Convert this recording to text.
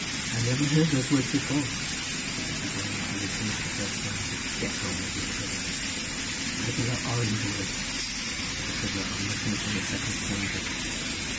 "I never heard those words before," said the fiddler, after I had finished the first stanza. "Get on with you," said I. "Regular Orange words!" said the fiddler, on my finishing the second stanza.